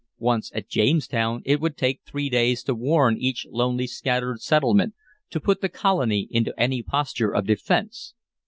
Once at Jamestown, it would take three days to warn each lonely scattered settlement, to put the colony into any posture of defense.